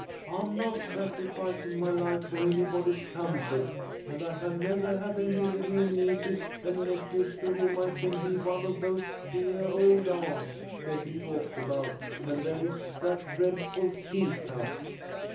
I am not sacrificing my life for anybody's comfort, and I can nevah have any little nieces and nephews to whom I can be one of those deah old aunts Betty talks about, and there is that dreadful teacup!"